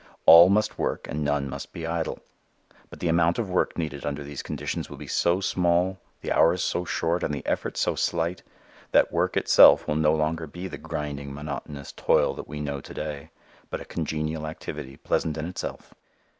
All must work and none must be idle: but the amount of work needed under these conditions will be so small, the hours so short, and the effort so slight, that work itself will no longer be the grinding monotonous toil that we know to day, but a congenial activity pleasant in itself.